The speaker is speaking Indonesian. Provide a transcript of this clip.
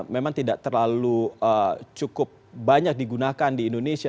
memang tidak terlalu cukup banyak digunakan di indonesia